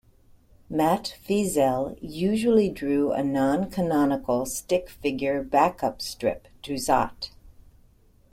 Matt Feazell usually drew a non-canonical stick figure back-up strip to Zot!